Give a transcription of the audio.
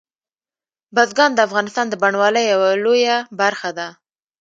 بزګان د افغانستان د بڼوالۍ یوه لویه برخه ده.